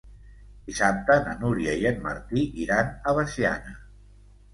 Dissabte na Núria i en Martí iran a Veciana.